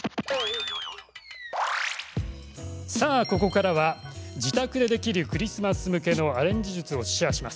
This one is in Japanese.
さあ、ここからは自宅でできるクリスマス向けのアレンジ術をシェアします。